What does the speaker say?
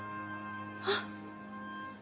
あっ。